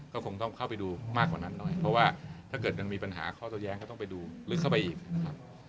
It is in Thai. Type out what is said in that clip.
ก็คงต้องเข้าไปดูมากกว่านั้นหน่อยเพราะว่าถ้าเกิดมันมีปัญหาข้อโต้แย้งก็ต้องไปดูลึกเข้าไปอีกนะครับ